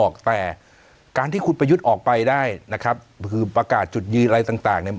แต่การที่คุณประยุทธ์ออกไปได้นะครับคือประกาศจุดยืนอะไรต่างต่างเนี่ย